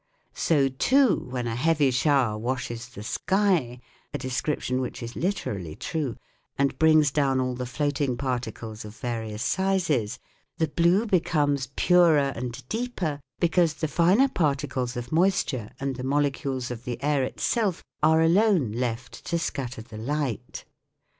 So too when a heavy shower washes the sky a description which is literally true and brings down all the floating particles of various sizes, the blue becomes purer and deeper because the finer particles of moisture and the molecules of the air itself are alone left to scatter the light.